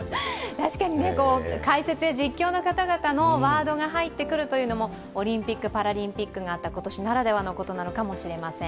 確かに解説や実況の方々のワードが入ってくるというのも、オリンピック・パラリンピックがあった今年ならではかもしれません。